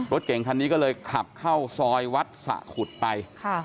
รถเก่งคันนี้ก็เลยขับเข้าซอยวัดสะขุดไป